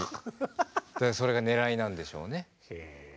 それがねらいなんでしょうね。